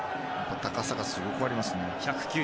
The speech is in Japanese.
高さがすごくありますね。